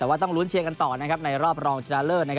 แต่ว่าต้องลุ้นเชียร์กันต่อในรอบรองชนะเลิศ